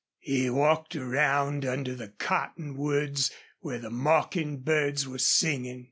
He walked around under the cottonwoods where the mocking birds were singing.